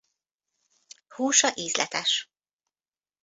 Húsa ízletes.